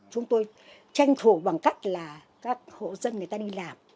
chúng tôi tranh thủ bằng cách là các hộ dân người ta đi làm